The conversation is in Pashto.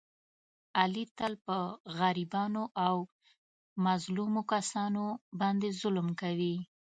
علي تل په غریبانو او مظلومو کسانو باندې ظلم کوي.